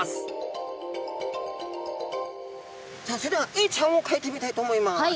さあそれではエイちゃんをかいてみたいと思います。